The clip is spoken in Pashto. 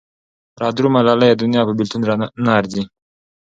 را درومه لالیه دونيا په بېلتون نه ارځي